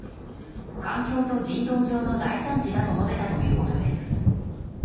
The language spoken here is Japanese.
環境と人道上の大惨事だと述べたということです。